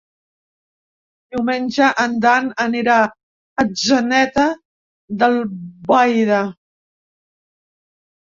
Diumenge en Dan anirà a Atzeneta d'Albaida.